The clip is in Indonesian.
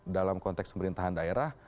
dalam konteks pemerintahan daerah